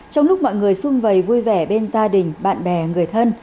trong lúc mọi người xung vầy vui vẻ bên gia đình bạn bè người thân